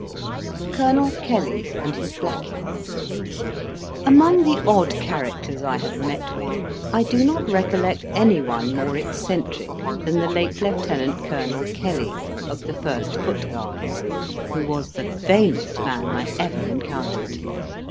COLONEL KELLY AND HIS BLACKING Among the odd characters I have met with, I do not recollect anyone more eccentric than the late Lieutenant colonel Kelly, of the First Foot Guards, who was the vainest man I ever encountered.